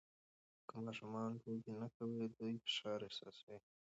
که ماشومان لوبې نه وکړي، دوی فشار احساسوي.